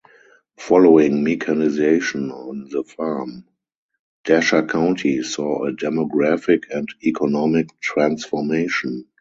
Following mechanization on the farm, Desha County saw a demographic and economic transformation.